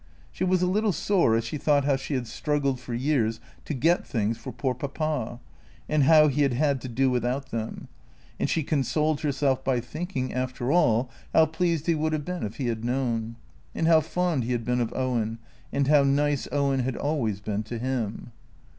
She was a little sore as she thought how she had struggled for years to get things for poor Papa, and how he had had to do without them. And she consoled herself by thinking, after THE CREATORS 321 all, how pleased he would have been if he had known ; and how fond he had been of Owen, and how nice Owen had always been to him.